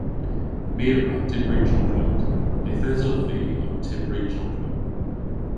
My a wra dybri choklet. Yth esov vy ow tybri choklet.